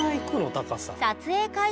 高さ。